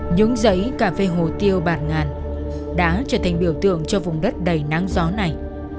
những giấy cà phê hồ tiêu bạt ngàn đã trở thành biểu tượng cho vùng đất đầy nắng gió này